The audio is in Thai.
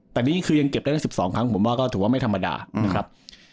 แต่นี่คือยังเก็บได้๑๒ครั้งผมว่าก็ถือว่าไม่ธรรมดานะครับ